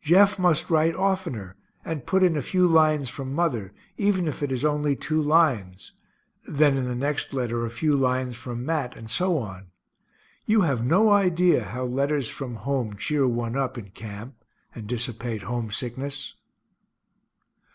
Jeff must write oftener, and put in a few lines from mother, even if it is only two lines then in the next letter a few lines from Mat, and so on. You have no idea how letters from home cheer one up in camp, and dissipate homesickness.